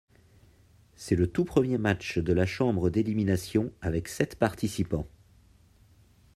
C'est le tout premier match de la chambre d'élimination avec sept participants.